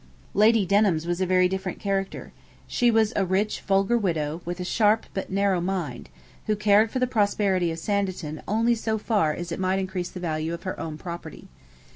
Lady Denham's was a very different character. She was a rich vulgar widow, with a sharp but narrow mind, who cared for the prosperity of Sanditon only so far as it might increase the value of her own property.